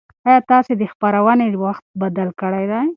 ایا تاسي د خپرونې وخت بدل کړی دی؟